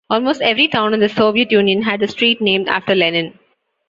Almost every town in the Soviet Union had a street named after Lenin.